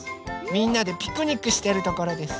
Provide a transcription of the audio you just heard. みんなでピクニックしてるところです。